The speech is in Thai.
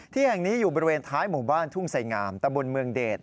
ที่แห่งนี้อยู่บริเวณท้ายหมู่บ้านทุ่งไสงามตะบนเมืองเดช